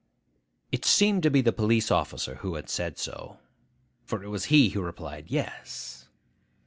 It seemed to be the police officer who had said so; for it was he who replied, Yes!